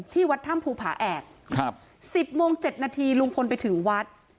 วัดถ้ำภูผาแอก๑๐โมง๗นาทีลุงพลไปถึงวัด